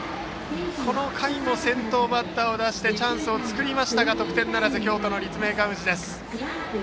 この回も先頭バッターを出してチャンスを作りましたが得点ならず京都の立命館宇治です。